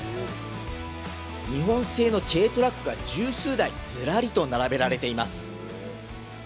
日本製の軽トラックが十数台ズラリと並べられています。